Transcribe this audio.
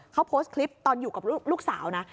เขาโพสต์คลิปตอนอยู่กับลูกสาวนะ